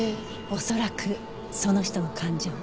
恐らくその人の感情。